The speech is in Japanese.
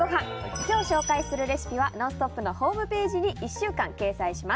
今日ご紹介するレシピは「ノンストップ！」のホームページに１週間掲載します。